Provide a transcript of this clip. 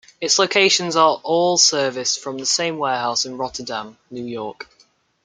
Its locations are all serviced from the same warehouse in Rotterdam, New York.